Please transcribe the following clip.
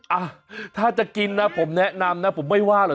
อ่ะถ้าจะกินนะผมแนะนำนะผมไม่ว่าหรอก